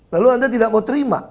lalu anda tidak mau terima